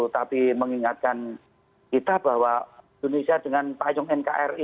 tapi mengingatkan kita bahwa indonesia dengan payung nkri